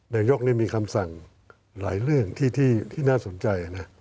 นายกมีคำสั่งหลายเรื่องที่น่าสนใจนะ